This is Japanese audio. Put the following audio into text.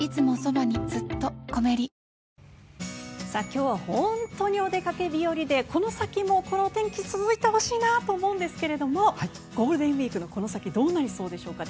今日は本当にお出かけ日和でこの先もこの天気続いてほしいなと思うんですがゴールデンウィークのこの先どうなりそうでしょうか？